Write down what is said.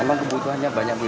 emang kebutuhannya banyak buang